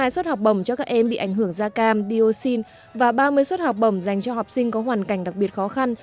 hai suất học bổng cho các em bị ảnh hưởng da cam dioxin và ba mươi suất học bổng dành cho học sinh có hoàn cảnh đặc biệt khó khăn